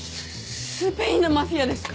ススペインのマフィアですか？